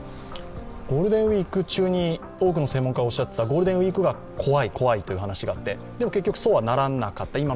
ゴールデンウイーク中に多くの専門家がおっしゃっていたゴールデンウイークが怖い怖いという話があってでも結局は、今のところそうはならなかった。